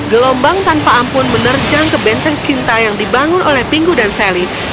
gelombang tanpa ampun menerjang ke benteng cinta yang dibangun oleh pingu dan sally